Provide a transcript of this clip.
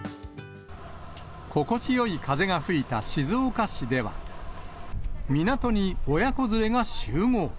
心地よい風が吹いた静岡市では、港に親子連れが集合。